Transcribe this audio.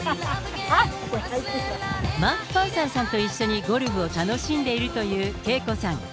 マーク・パンサーさんと一緒にゴルフを楽しんでいるというＫＥＩＫＯさん。